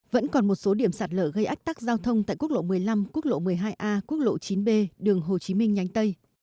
vẫn còn một số điểm sạt lở gây ách tắc giao thông tại quốc lộ một mươi năm quốc lộ một mươi hai a quốc lộ chín b đường hồ chí minh nhánh tây